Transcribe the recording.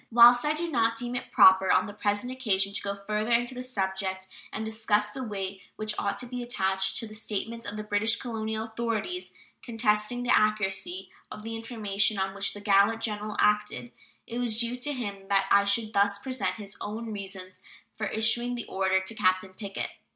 Whilst I do not deem it proper on the present occasion to go further into the subject and discuss the weight which ought to be attached to the statements of the British colonial authorities contesting the accuracy of the information on which the gallant General acted, it was due to him that I should thus present his own reasons for issuing the order to Captain Pickett.